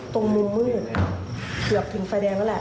ตรงมุมมืดเกือบถึงไฟแดงแล้วแหละ